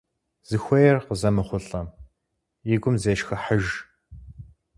Зыхуейр къызэмыхъулӀэм и гум зешхыхьыж.